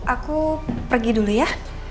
aku pergi dulu ya